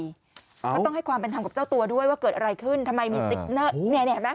ก็ต้องให้ความเป็นธรรมกับเจ้าตัวด้วยว่าเกิดอะไรขึ้นทำไมมีสติ๊กเนอร์เนี่ยเห็นไหม